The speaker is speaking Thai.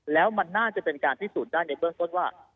แล้วมันน่าจะเป็นการพิสูจน์ได้ในเบื้องต้นว่า